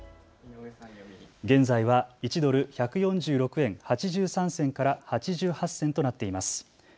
現在は１ドル１４６円８３銭から８８銭となっています。